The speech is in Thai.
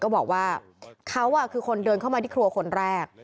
บอกว่าเขาคือคนเดินเข้ามาที่ครัวคนแรก